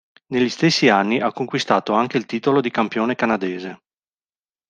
Negli stessi anni ha conquistato anche il titolo di campione canadese.